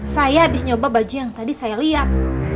saya habis nyoba baju yang tadi saya lihat